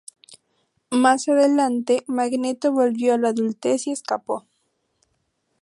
Más adelante, Magneto volvió a la adultez y escapó.